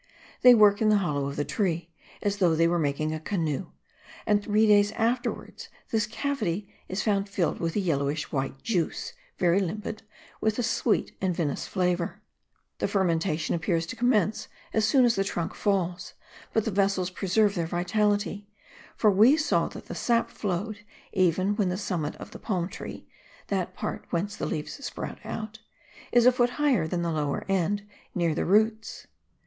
They work in the hollow of the tree, as though they were making a canoe; and three days afterwards this cavity is found filled with a yellowish white juice, very limpid, with a sweet and vinous flavour. The fermentation appears to commence as soon as the trunk falls, but the vessels preserve their vitality; for we saw that the sap flowed even when the summit of the palm tree (that part whence the leaves sprout out) is a foot higher than the lower end, near the roots.